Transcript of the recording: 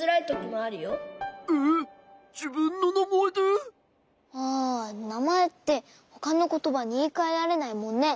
ああなまえってほかのことばにいいかえられないもんね。